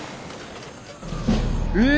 え！